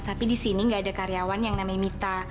tapi disini gak ada karyawan yang namanya mita